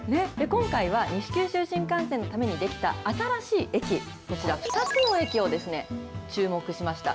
今回は西九州新幹線のために出来た新しい駅、こちら、２つの駅をですね、注目しました。